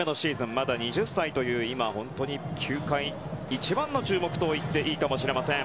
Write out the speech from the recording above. まだ２０歳という今、本当に球界一番の注目ともいっていいかもしれません。